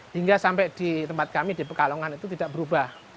hingga sampai di tempat kami di pekalongan itu tidak berubah